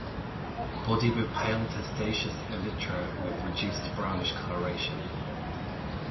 Body with pale testaceous elytra with reduced brownish coloration.